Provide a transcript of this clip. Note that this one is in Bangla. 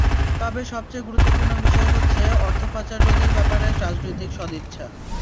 তবে সবচেয়ে গুরুত্বপূর্ণ বিষয় হচ্ছে, অর্থ পাচার রোধের ব্যাপারে রাজনৈতিক সদিচ্ছা।